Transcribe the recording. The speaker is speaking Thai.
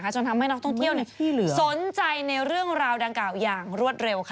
จนทำให้นักท่องเที่ยวสนใจในเรื่องราวดังกล่าวอย่างรวดเร็ว